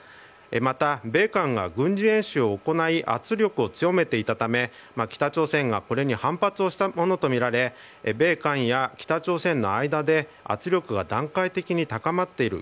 また米韓が軍事演習を行い圧力を強めていたため北朝鮮がこれに反発したものとみられ米韓や北朝鮮の間で圧力が段階的に高まっている。